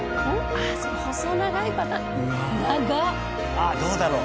あっどうだろう？